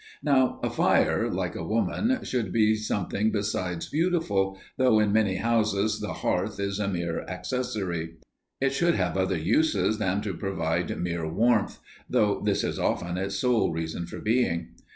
Now, a fire, like a woman, should be something besides beautiful, though in many houses the hearth is a mere accessory. It should have other uses than to provide mere warmth, though this is often its sole reason for being.